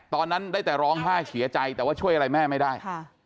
ตอนนั้นนัยไม่จะร้องไห้ขยายใจลาก็ไม่ช่วยอะไรแม่ไม่ได้